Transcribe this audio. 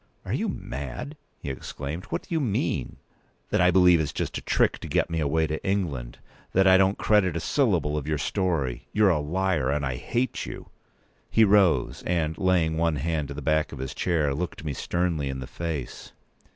"Are you mad?" he exclaimed. "What do you mean?" "That I believe it's just a trick to get me p. 203away to England—that I don't credit a syllable of your story. You're a liar, and I hate you!" He rose, and, laying one hand on the back of his chair, looked me sternly in the face.